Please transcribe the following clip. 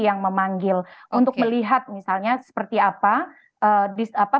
dengan aksi etnologi bahkan juga tulangan tarik politik